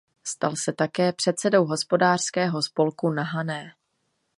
Stal se také předsedou hospodářského spolku na Hané.